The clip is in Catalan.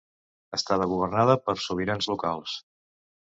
Estava governada per sobirans locals.